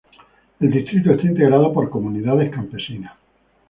El distrito está integrado por comunidades campesinas.